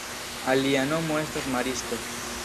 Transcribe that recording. Alia nomo estas maristo.